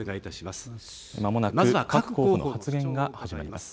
まもなく各候補の発言が始まります。